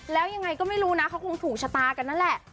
แล้วยังไงก็ไม่รู้นะเขาคงถูกชะตากันนั่นแหละ